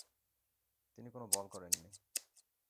তিনি কোন বল করেননি।